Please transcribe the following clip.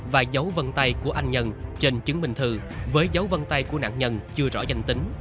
và dấu vân tay của anh nhân trên chứng minh thư với dấu vân tay của nạn nhân chưa rõ danh tính